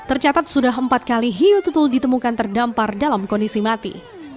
tercatat sudah empat kali hiu tutul ditemukan terdampar dalam kondisi mati